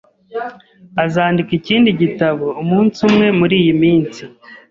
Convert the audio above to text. Azandika ikindi gitabo umunsi umwe muriyi minsi.